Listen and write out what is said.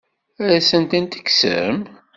Ad asen-tent-tekksem?